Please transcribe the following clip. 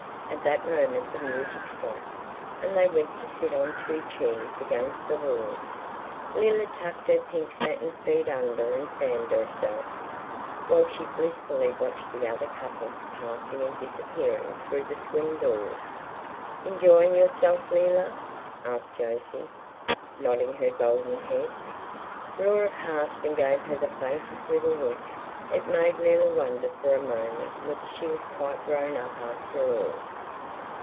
At that moment the music stopped, and they went to sit on two chairs against the wall. Leila tucked her pink satin feet under and fanned herself, while she blissfully watched the other couples passing and disappearing through the swing doors. "Enjoying yourself, Leila?" asked Jose, nodding her golden head. Laura passed and gave her the faintest little wink; it made Leila wonder for a moment whether she was quite grown up after all.